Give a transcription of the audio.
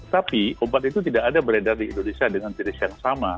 tapi obat itu tidak ada beredar di indonesia dengan jenis yang sama